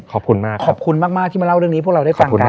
ขอบคุณมากที่มาเล่าเรื่องนี้พวกเราได้ฟังกัน